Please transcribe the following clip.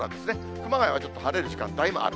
熊谷はちょっと晴れる時間帯もある。